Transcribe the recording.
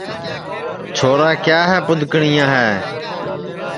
چھورا کیا ہے پُدؔکٹؔیا ہے